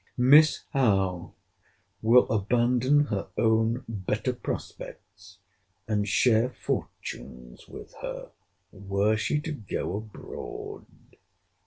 [Miss Howe will abandon her own better prospects, and share fortunes with her, were she to go abroad.